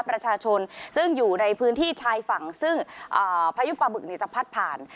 ประชาชนซึ่งอยู่ในพื้นที่ชายฝั่งซึ่งพายุปลาบึกจะพัดผ่าน